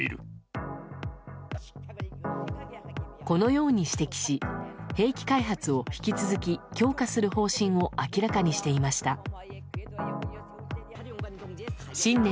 このように指摘し兵器開発を引き続き強化する方針を明らかにしていました。